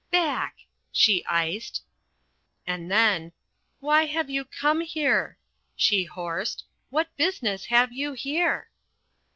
"Back," she iced. And then, "Why have you come here?" she hoarsed. "What business have you here?"